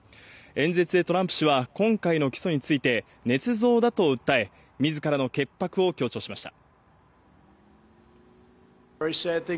演説でトランプ氏は、今回の起訴について捏造だと訴え、自らの潔白を強調しました。